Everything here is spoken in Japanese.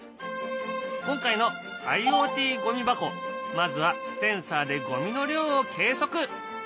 今回のＩｏＴゴミ箱まずはセンサーでゴミの量を計測。